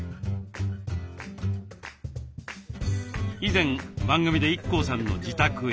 以前番組でＩＫＫＯさんの自宅へ。